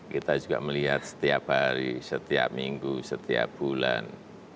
kita juga melihat setiap hari setiap minggu setiap bulan